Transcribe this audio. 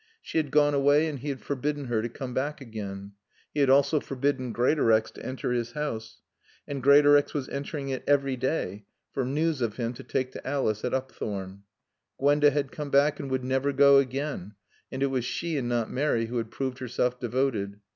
She had gone away and he had forbidden her to come back again. He had also forbidden Greatorex to enter his house. And Greatorex was entering it every day, for news of him to take to Alice at Upthorne. Gwenda had come back and would never go again, and it was she and not Mary who had proved herself devoted.